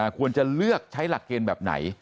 ควรจะเลือกใช้หลักเกณฑ์แบบไหน